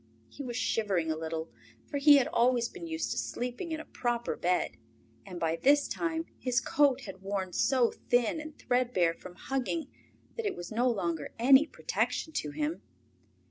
He was shivering a little, for he had always been used to sleeping in a proper bed, and by this time his coat had worn so thin and threadbare from hugging that it was no longer any protection to him.